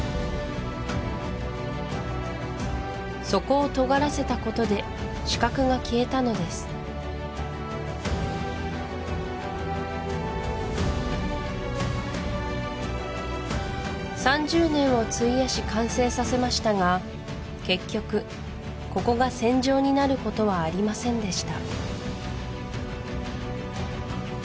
そこをとがらせたことで死角が消えたのです３０年を費やし完成させましたが結局ここが戦場になることはありませんでした